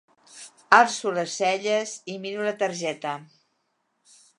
Alço les celles i miro la targeta.